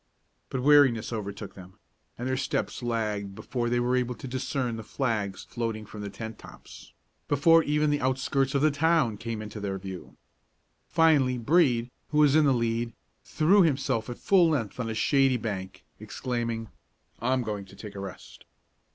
But weariness overtook them, and their steps lagged before they were able to discern the flags floating from the tent tops, before even the outskirts of the town came upon their view. Finally Brede, who was in the lead, threw himself at full length on a shady bank, exclaiming, "I'm going to take a rest!"